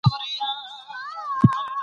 تاسې باید د خپلو موخو په اړه فکر وکړئ.